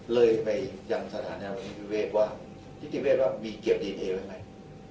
เลยไปยังสถานีวิเวศว่านิติเวศว่ามีเก็บดีเอนเอไว้ไหม